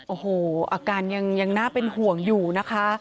โอ้โหอาการยังน่าเป็นห่วงอยู่นะคะ